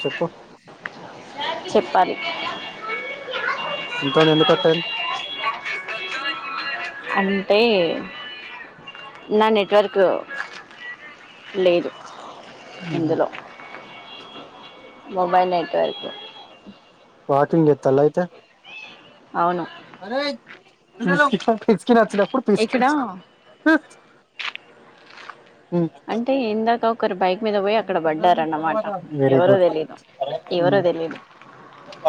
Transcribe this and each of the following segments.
చెప్పు చెప్పాలి ఇంత ముందు ఎందుకట్టయింది అంటే నా నెట్వర్క్ లేదు అయింది ఇందులో మొబైల్ నెట్వర్క్ పార్కింగ్ ఎత్తలా అయితే అవును అరే ఇ పిసుకిని వచ్చినప్పుడు ఇక్కడ పిసిక్కించుకో అంటే ఏన్ దాకా ఒకరు బైక్ మీద పోయి అక్కడ పడ్డారన్నమాట వెరీ ఎవరో గుడ్ తెలీదు ఎవరో తెలీదు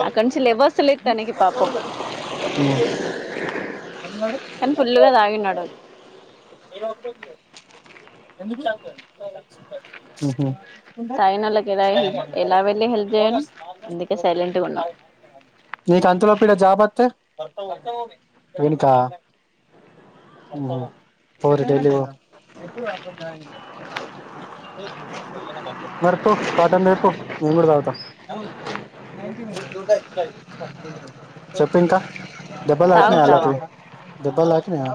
అక్క నుంచి లేవస్తలేదు తనకి పాపం కానీ ఫుల్గా తాగి ఉన్నాడు ఉమ్ హు తాగిన వాళ్ళకి ఎలా హెల్ప్ ఎలా వెళ్ళి హెల్ప్ చేయను అందుకే సైలెంట్గా ఉన్నాం నీకి అంతలో ఈడ జాబ్ వస్తే వెనిక ఉమ్ హు పోరీ ఢిల్లీ పో మరిపో కాటన్ తెపో నేను కూడా కడ్ పోత చోపు ఇంకా దెబ్బలు తాకినాయ తాగుతావా వాళ్లకి దెబ్బలు తాకినాయ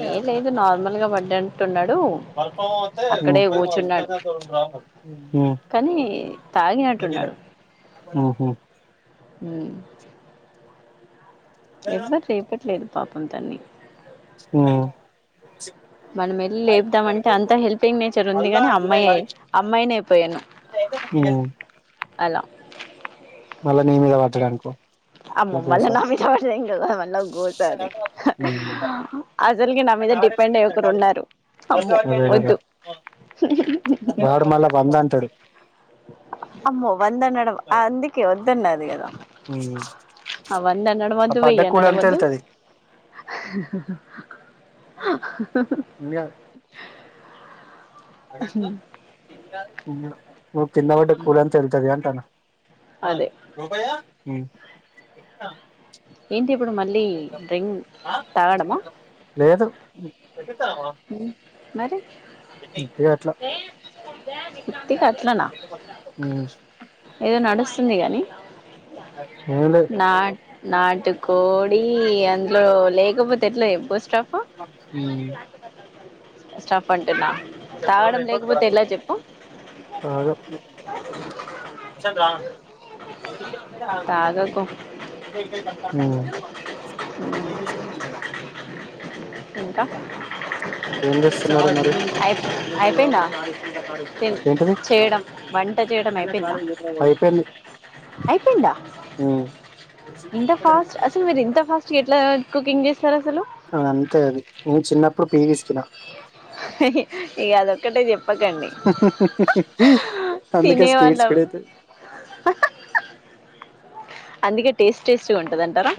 ఏ లేదు నార్మల్గా పడ్డట్టున్నాడు అక్కడే కూర్చున్నాడు ఉమ్ ఉమ్ అంటున్నాడు ఉమ్ హు ఉమ్ ఎవ్వరు లేపట్లేదు పాపం తన్ని ఉమ్ మనం వెళ్ళి లేపుదామంటే అంత హెల్పింగ్ నేచర్ ఉంది కాని అమ్మాయి అమ్మాయిని అయిపోయాను ఉమ్ అలా మళ్ళా నీ మీద పట్టడనుకో ఆ మల్ల నా మీదపడితే ఇంకా మల్ల గో సారీ ఉమ్ అసలికి నా మీద మీద డిపెండ్ అయ్యి ఒకరు ఉన్నారు అమ్మో అదే కదా వద్దు హు హూ వాడు మళ్ళా వంద అంటాడు అమ్మో వందన్నడం అందుకే ఒద్దన్నది కదా ఉమ్ అ వంద అనడం ఆ వద్దు పడ్డ వెయ్యి కూలి అనడం అంత వద్దు వెళ్తది హా హా హాహా ఉమ్ హు ఒకే కిందపడటం ఎక్కువరా అని తిడుతాది అంటూనా అదే ఉమ్ ఏంటి ఇప్పుడు మళ్ళీ డ్రింగ్ తాగడమా హు హు ఉమ్ మరీ ఉట్టిగా అట్లా ఉత్తకి అట్లనా ఉమ్ ఏదో నడుస్తుంది గాని ఏం లేదు నాట్ నాటు కోడి అందులో లే తే ఎట్ల చొప్పు ఉమ్ స్టఫ్ అంటునా తాగడం లేకపోతే ఎలా చెప్పు బాగా తాగకు ఉమ్ ఇంకా ఎం చేస్తున్నారు మరి అయి అయిపోయిందా చేయడం వంట చేయడం అయిపోయిందా అయిపోఇంది అయిపోయిందా ఇంత ఫాస్ట్ అసలు మీరు ఇంత ఫాస్ట్ ఎట్లా గ కుకింగ్ చేస్ అది అంతే అది నేను చిన్నప్పుడు పీయివిసికిిన ఇక అదొక్కటే చెప్పకండి అందుకే స్పీడ్ తినేవాళ్ళం స్పీడ్ అయితది అందుకే టేస్ట్ టేస్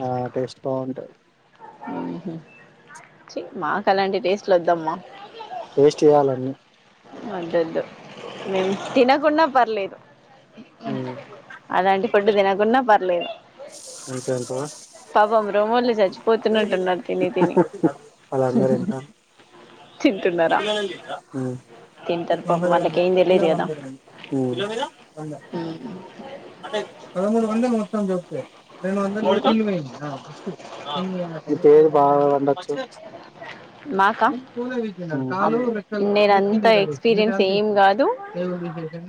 ఆ టేస్ట్ బాగుంటాది మ్ హు చి మాకు అలాంటి టేస్ట్లు వద్దమ్మా టేస్ట్ చేయాలన్నీ వద్దోద్దు మీము తినకున్న పర్లేదు ఉమ్, అలాంటి ఫు డ్డు తినకున్న పర్లేదు అంతే అంటవా పాపం రోమోళ్ళు చచ్చిపోతున్నట్టున్నారు తిని తిని వాళ్ళందరూ ఇంటల్లు తింటున్నారా మ్ ఇ తింటారు పాపం వాళ్ళకి ఏం విలా తెలియదు కదా వంగ కాంది వంద అదే పదమూడు వంద మొత్తం చప్పు ఇంకా నీకేది బాగ వండొచ్చు మాకా అ అమ్మో నేను అంత ఎక్స్పీరియన్స్ ఏం కాదు మ్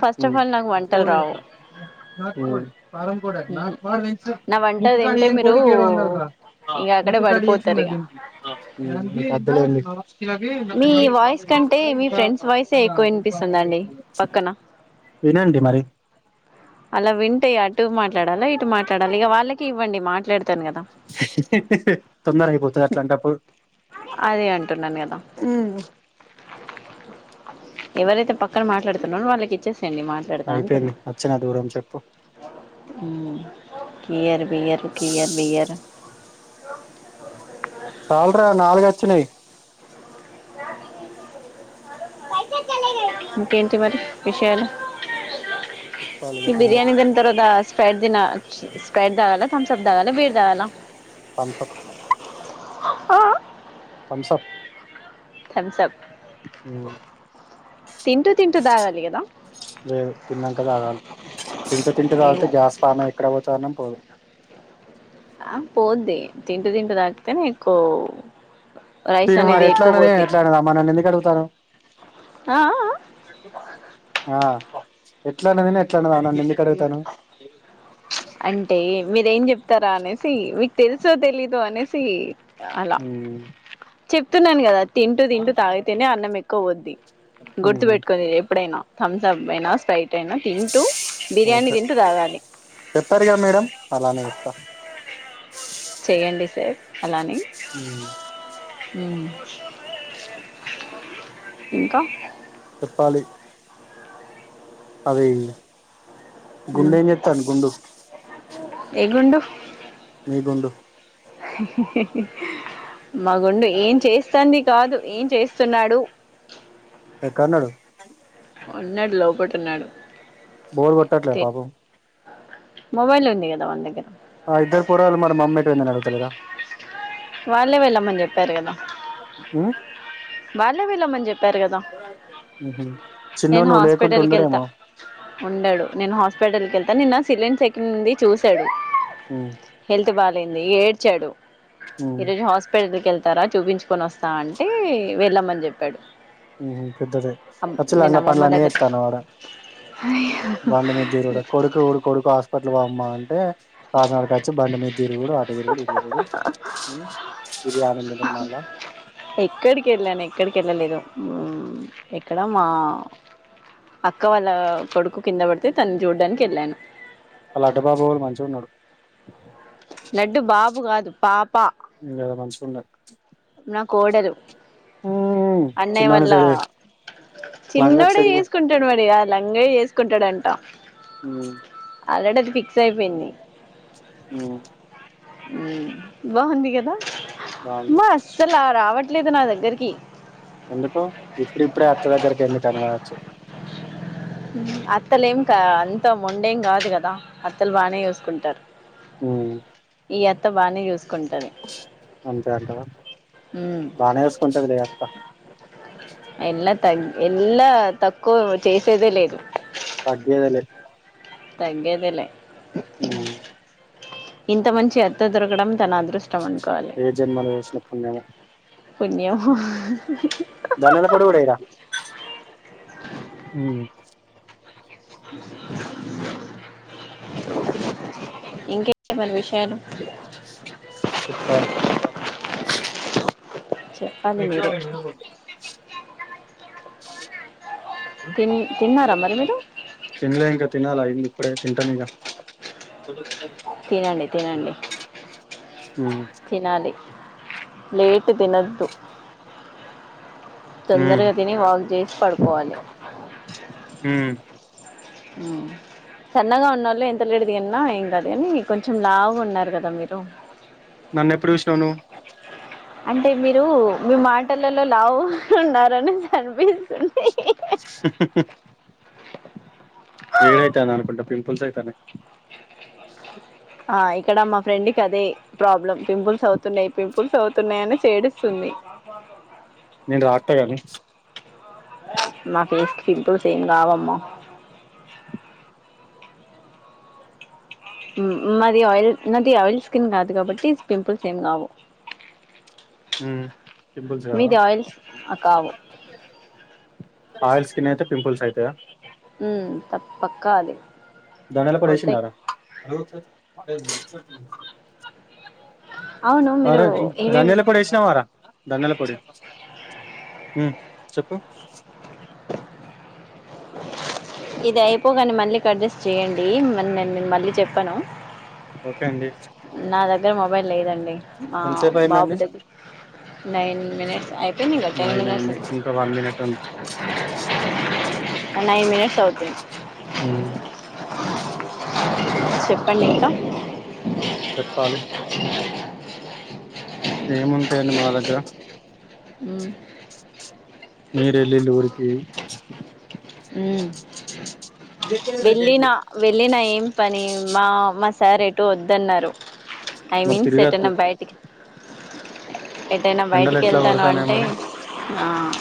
ఫస్ట్ ఆఫ్ ఆల్ నాకు వంటలు రావు ఫారం కుడాక్ నాకు నా వంట ముక్కుకాా తింటే ఏం మీరు కొడుకిడు వందల్ ఇంక అక్కడే నీకు పడిపోతారు ఇక అది తెలువదు మీ వాయిస్ నీకు కంటే మీ ఫ్రెండ్స్ వాయిసే ఎక్కువ వినిపిస్తుందండి దానికి పక్కన తినండి మరి అలా వింటే అటు మాట్లాడాల ఇటు మాట్లాడాలి ఇగ వాళ్ళకే ఇవ్వండి మాట్లాడు తొందర అయిపోతది అంట్లంటప్పుడు అదే అంటున్నా నిను ఎవరైతే పక్క క్కన మాట్లాడుతున్నారో వాళ్ళకి ఇచ్చేసేయండి మాట్లాడుతా అంటున్నా అయిపోయింది వచ్చిన దూరం చెప్పు మ్ కియర్ బియర్ కియర్ బియర్ చాలు రా నాలుగు వచ్చనేయి ఈకేంటి మరి విషయాలు చెప్పాలి ఇగ ఈ తినుడే బిర్యానీ తిన్న తర్వాత అస్ స్పారేట్ దిన చి స్ప్రెడ్ తగలా త్సాప్ తగలా బీర్ తాగాల తంస్సప్ ఆఆ థమ్సప్ తంసప్ తింటూ తింటూ తాగాలి గదా లేదు తిన్నాక తాగాలి తింటు తింటు తాగితే ఏమో గ్యాస్ ఫమై ఎక్కడ పోతది అన్నం పోదు ఆ పోద్ది తింటూ తింటూ తాగుతేనే ఎక్కువ్ తరు మరి ఎట్లా అన్నది ఎట్లా అన్నదమ్మా మనన్ను ఎందుకు అడుగుతాను ఆ ఆ ఎట్ల అన్నది ఎట్లా అన్నదివునను ఎందుకడుగుతాను అంటే మీరేం చెప్తారా అనేసి మీకు తెలుసో తెలీదు అనేసి అలా చెప్తున్నాను కదా తింటూ తింటూ తాగితేనే అన్నం ఎక్కువ పొద్ది గుర్తు ఉహు పెట్టుకో ఎప్పుడైనా థంసప్ అయినా స్ప్రైట్ అయినా తింటూ బిర్యానీ ఓకే తింటూ తాగాలి చెప్పారుగా మేడం అలానే ఇస్తా చెయండి సార్ అలాఅని ఊ ఉ ఇంకా చెప్పాలి అది గుండెం చెత్తాడి గుండు ఎ గుండు గుండు [inaudible] మా గుండు ఏం చేస్తాంది కాదు ఏం చేస్తున్నాడు కన్నడు ఉన్నాడు లోపట ఉన్నాడు బోర్ కొట్టట్లే తె పాపం మొబైల్ ఉంది కదా మన దగ్గర ఆ ఇద్దరు పొరగాల్ మరి మమ్మేట్ పోయింది అని అడుగుతారు కదా వాళ్ళే వెళ్ళమని చెప్పారు కదా ఉ వాళ్ళే వేళ్ళమని చెప్పారు కదా ఉహు చిన్నోడు నేను నువ్వు లేకుంటే హాస్పిటల్ కి వెళ్తా ఉండడేమో ఉండడు నేను హాస్పిటల్ కెళ్తే నిన్న సిలిం సెకిన్ ఉంది చూసాడు ఉమ్ హెల్త్ బాలేంది ఏడ్చాడు ఉమ్ ఈ రోజు హాస్పిటల్కి వెళ్తారా చూపించుకొని వస్తా అంటే వెళ్ళామని చెప్పాడు ఉహు పెద్దది అమ్ పచ్చల నేను అన్ని అమ్మమ్మ పనులన్ని దగ్గర చేత్తన్నవార బండి మీద తిరుగుడు కొడుకు కొడుకు హాస్పిటల్ బ అమ్మా అంటే కాసరకు వచ్చి బండి మీద తిరుగుడు ఆటు తిరుగుడు ఇటు తిరుగుడు ఇది ఆనందం కూడా మళ్ళ ఎక్కడికి వెళ్ళను ఎక్కడికి ఆ ఎక్కడ మా అక్క వాళ్ళ కొడుకు కింద పడితే తను చూడ్డానికి వెళ్ళాను ఆ లడ్డుబాబు వాళు మంచి ఉన్నాడు లడ్డు బాబు కాదు పాప్ లేదా మంచిగ ఉండ నా కోడలు అన్నయ్య చిన్నోని వాళ్ళ సైడ్ లంగకి చిన్నోడే సైడ్ చేసుకుంటాడు మడి లంగ చేసుకుంటాడుం అ ఆల్రెడీ అది ఫిక్స్ అయిపోయింది ఓ బగుంది కదా బాగుంది మ అస్సలు రావట్ ట్లేదు నా దగ్గరికి ఎందుకు ఇప్పుడి ఇప్పుడే అత్త దగ్గరకి ఎందుకుని కావచ్చు అత్తలే ఏం కా అంత మొండేం కాదు కదా అత్తలు బాగానే చూసుకుంటారు ఉ ఈ అత్త బానే చూసుకుంటుంది అంతే అంటావా బానే వేసుకుంటుంది లే అత్త ఎలా తక్కువ చేసేదే లేదు తగ్గేదలే తగ్గేదలే ఉ ఇంత మంచి అత్త దొరకడం తన అదృష్ట ఏ జన్మలో చేసిన పుణ్యమో పుణ్యమో ధనియాలు పాడు కూడా ఇయ్యరా ఇంకేటీ మరి విషయాలు చెప్పాలి చెప్పాలి వీట్లో మీరే వెండిగిన్నాయి తిన్ తిన్నారా మరి మీరు తిన్లే ఇంక తినాలి అయింది ఇప్పుడే తింటా మీకా తినండి తినండి తినాలి లేేట్ తిన్నోదు తొందరగా తిని వాక్ చేసి పడుకోవాలి ఆ సన్నగా ఉన్నళ్ళు ఎంత లేటుగా తిన్నా ఏం కాదు కానీ కొంచెం లావుగా ఉన్నారు కదా మీరు నన్ను ఎప్పుడు చూసినావు నువ్వు అంటే మీరు మీ మాటలలో లావు ఉన్నారనే అనిపిస్తుందీ వేడితే అని అనుకుంటా పింపుల్స్ అయితనే స ఆ ఇక్కడ మా ఫ్రెండ్ కి అదే ప్రాబ్లమ్ పింపుల్స్ అవుతున్నాయి పింపుల్స్ అవుతున్నాయని చేడుస్తు తుంది నేను రాటా కాని మా ఫేస్ కి పింపుల్స్ ఏం కావమ్మా మాది ఆయిల్ నాది ఆయిల్ స్కిన్ కాదు కాబట్టి పింపుల్స్ ఏం కావు ఉ పింపుల్స్ కావా మీది ఆయిల్స్ కావు ఆక్సి స్కిన్ అయితే పింపుల్స్ అయితాయా ఉ తప్ పక్క అది ధనియాల పొడి అవుతాయి వేసిండారా అవును మీరు అరేయ్ ఏమేం ధనియాల పొడి వేసినా వార ధనియాల పొడి ఆ చెప్పు ఇది అయిపోగానే మళ్ళీ కట్ చేసి చేయడి మాన్ నేను మళ్ళీ చెప్పాను ఓకే అండి నా దగ్గర మొబైల్ లేదండి ఎంతసేపు బాబు అయిందండి దగ్గర నైన్ మినిట్స్ అయిపోయింది ఇంకా ten minutes ten nine minutes అవుతుంది ఉమ్. చెప్పండి ఇంకా. చెప్పాలి. ఏముంటాయండి మా దగ్గర. మీరే లీళ్లు పోసి. వెళ్ళిన వెళ్ళినా ఏం పని. మా మా సార్ ఎటు వద్దన్నారు ఐ మరి మీన్స్ తిరగద్దు ఎటన్నా బయటికి. ఎటైనా ఎండలు బయటికి ఎట్లా వెళ్తాను కొడతాన్నాయి అంటే మరి ఆహ్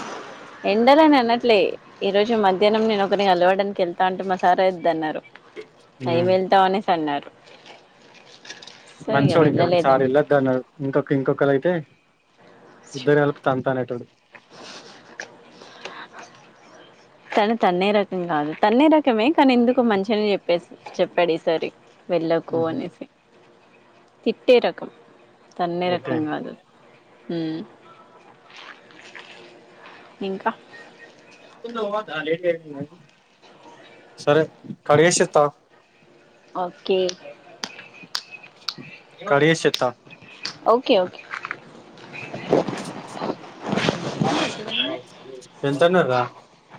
ఎండలాని అన్నడ్. లే ఈ రోజు మధ్యాహ్నం నేను ఒకరిని కలవడానికి వెళ్తా అంటే మా సారే వద్దన్నారు. ఏం ఉమ్ వెళ్తాం అనేసి అన్నారు. సో ఇగ మంచోడు ఇంకా మీ వెళ్ళలేదు సార్ వెళ్ళొద్దు అన్నారు ఇంకొక ఇంకొకలైతే. ఇద్దరిని కలిపి తంతానేటోడు. తను తన్నే రకం కాదు తన్నే రకమే కానీ ఎందుకో మంచిగనే చెప్పేసి చెప్పాడు ఈసారి. వెళ్ళకు ఉహు, అనేసి తిట్టే రకం తన్నే రకం ఓకే కాదు అది. ఉమ్ ఇంకా. [unintelligible] పోవద్దా లేట్ చేయకుండా. సరే కడిగేసిస్తా ఆగు. ఓకే. కడిగేసిస్తా. Okay okay. ఎంతన్నాడు రా.